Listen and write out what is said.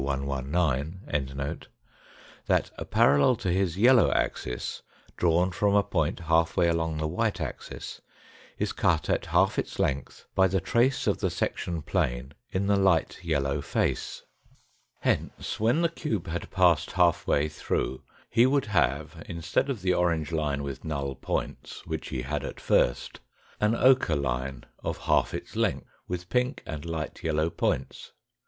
119) that a parallel to his yellow axis drawn from a point half way along the white axis, is cut at half its length by the trace pf the section plane in the light yellow face r REMARKS ON THE felGURES 199 Hence when the cube had passed half way through he would have instead of the orange line with null points, which he had at first an ochre line of half its length, with pink and light yellow points.